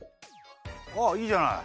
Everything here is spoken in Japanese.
ああいいじゃない。